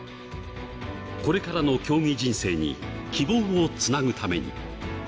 これからの競技人生に希望をつなぐために。